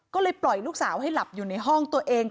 ก็เลยปล่อยลูกสาวให้หลับอยู่ในห้องตัวเอง